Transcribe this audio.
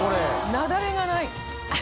雪崩がない。